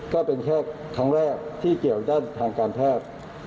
ก็เป็นแค่ครั้งแรกที่เกี่ยวด้านทางการแพทย์